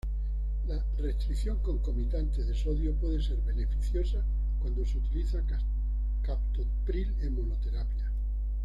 La restricción concomitante de sodio puede ser beneficiosa cuando se utiliza captopril en monoterapia.